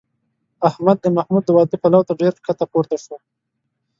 احمد د محمود د واده پلو ته ډېر ښکته پورته شو.